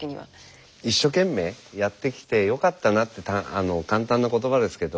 一生懸命やってきてよかったなって簡単な言葉ですけど。